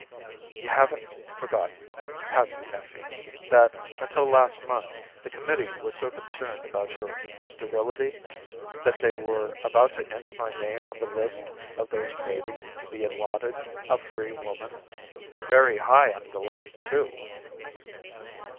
"You haven't forgotten, have you, Effie, that until last month the Committee was so concerned about your sterility? That they were about to enter my name on the list of those waiting to be allotted a free woman? Very high on the list, too!"